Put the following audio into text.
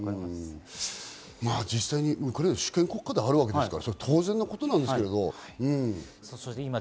実際にウクライナは主権国家であるわけですから当然のことなんですけど。